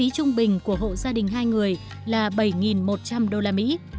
trung bình của hộ gia đình hai người là bảy một trăm linh đô la mỹ